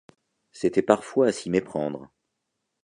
C’était parfois à s’y méprendre.